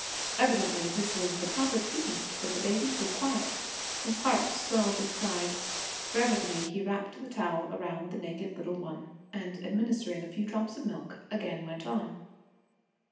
Evidently this was the proper treatment, for the baby grew quiet. His heart swelled with pride. Reverently he wrapped the towel around the naked little one, and administering a few drops of milk, again went on.